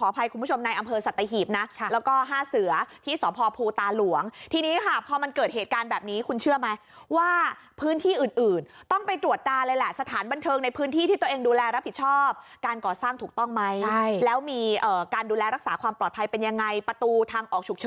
ขออภัยคุณผู้ชมในอำเภอสัตยหีบนะแล้วก็ห้าเสือที่สภภูตาหลวงที่นี้ค่ะพอมันเกิดเหตุการณ์แบบนี้คุณเชื่อไหมว่าพื้นที่อื่นต้องไปตรวจตาเลยล่ะสถานบันเทิงในพื้นที่ที่ตัวเองดูแลรับผิดชอบการก่อสร้างถูกต้องไหมแล้วมีการดูแลรักษาความปลอดภัยเป็นยังไงประตูทางออกฉุกเฉ